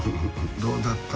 どうだった？